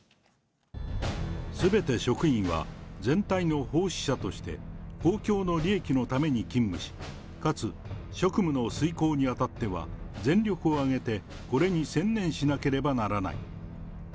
すべて職員は全体の奉仕者として、公共の利益のために勤務し、かつ職務の遂行にあたっては、全力を挙げてこれに専念しなければならない。